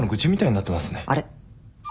あれ？